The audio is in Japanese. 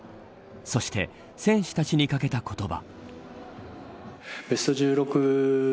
そして選手たちにかけた言葉。